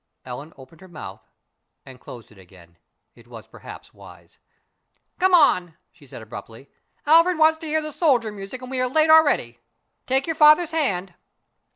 Ellen opened her mouth and closed it again it was perhaps wise! "Come on," she said abruptly. "Alfred wants to hear the soldier music and we are late already. Take your father's hand."